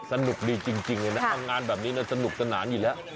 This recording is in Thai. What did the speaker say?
สนุกดีจริงเลยนะทำงานแบบนี้สนุกสนานอยู่แล้ว